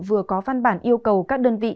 vừa có văn bản yêu cầu các đơn vị